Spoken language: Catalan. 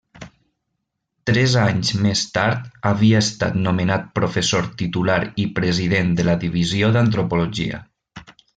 Tres anys més tard havia estat nomenat professor titular i President de la Divisió d'Antropologia.